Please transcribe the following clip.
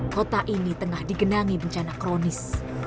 kota ini tengah digenangi bencana kronis